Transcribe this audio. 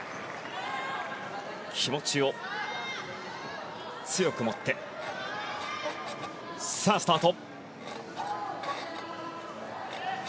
気持ちを強く持ってさあ、スタート。